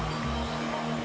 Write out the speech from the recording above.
arven kennedy kota jambi jambi